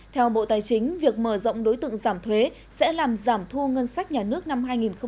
theo bộ tài chính việc mở rộng đối tượng giảm thuế sẽ làm giảm thu ngân sách nhà nước năm hai nghìn hai mươi